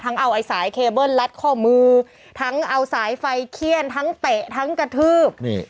เอาไอ้สายเคเบิ้ลลัดข้อมือทั้งเอาสายไฟเขี้ยนทั้งเตะทั้งกระทืบ